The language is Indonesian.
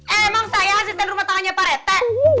emang saya yang asisten rumah tangannya pak rete